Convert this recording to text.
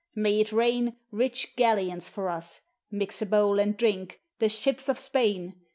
May it rain Rich galleons for us! Mix a bowl and drink, "The ships of Spain!"